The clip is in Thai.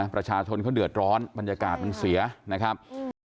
ประชาชนเขาเดือดร้อนบรรยากาศมันเสียนะครับ